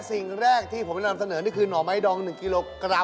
สิ่งแรกที่ผมจะนำเสนอนี่คือหน่อไม้ดอง๑กิโลกรัม